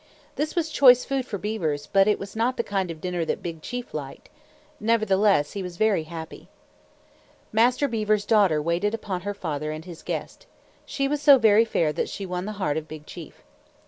This was choice food for beavers, but it was not the kind of dinner that Big Chief liked. Nevertheless he was very happy. Master Beaver's daughter waited upon her father and his guest. She was so very fair that she won the heart of Big Chief.